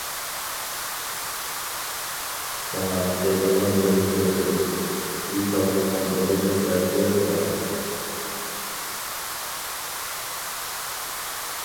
ساڭا دەيدىغان نۇرغۇن گەپلىرىم، ئېيتالمىغان نۇرغۇن دەردلىرىم بار.